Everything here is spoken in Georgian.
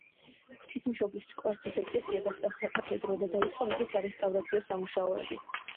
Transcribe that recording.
ღვთისმშობლის კვართის ეკლესია გახდა საკათედრო და დაიწყო მისი სარესტავრაციო სამუშაოები.